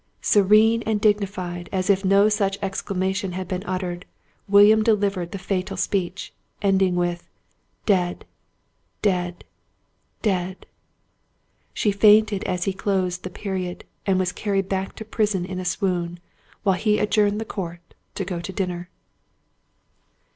Serene and dignified, as if no such exclamation had been uttered, William delivered the fatal speech, ending with "Dead, dead, dead". She fainted as he closed the period, and was carried back to prison in a swoon; while he adjourned the court to go to dinner.